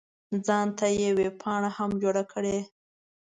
ځان ته یې ویبپاڼه هم جوړه کړې.